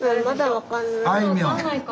分かんないか。